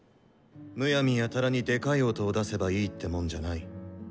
むやみやたらにでかい音を出せばいいってもんじゃない。